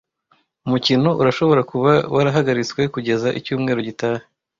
Umukino urashobora kuba warahagaritswe kugeza icyumweru gitaha.